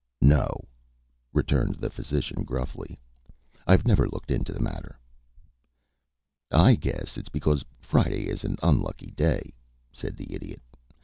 "No," returned the physician, gruffly. "I've never looked into the matter." "I guess it's because Friday is an unlucky day," said the Idiot.